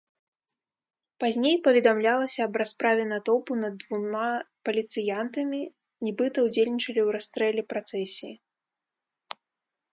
Пазней паведамлялася аб расправе натоўпу над двума паліцыянтамі, нібыта ўдзельнічалі ў расстрэле працэсіі.